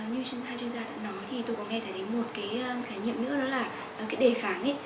như chuyên gia đã nói thì tôi có nghe thấy một cái khái niệm nữa đó là cái đề kháng ấy